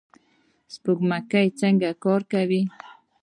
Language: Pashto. سپوږمکۍ څه کار کوي؟